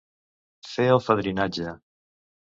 Fer el fadrinatge.